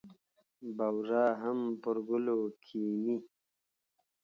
بورا هم پر ګلو کېني.